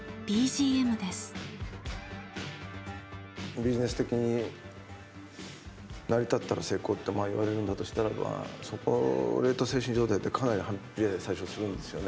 ビジネス的に成り立ったら成功って言われるんだとしたらばそれと精神状態ってかなり反比例最初するんですよね。